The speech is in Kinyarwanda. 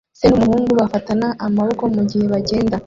Se n'umuhungu bafatana amaboko mugihe bagenda